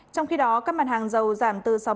trong khi đó các mặt hàng dầu giảm từ sáu mươi chín đồng